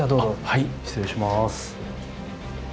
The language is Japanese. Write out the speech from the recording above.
はい失礼します。